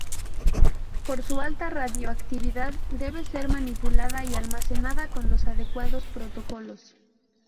Por su alta radiactividad debe ser manipulada y almacenada con los adecuados protocolos.